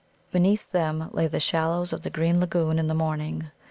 Beneath them lay the shallows of the green lagoon in the morning.